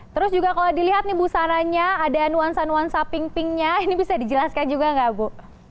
terus juga kalau dilihat nih busananya ada nuansa nuansa pink pinknya ini bisa dijelaskan juga nggak bu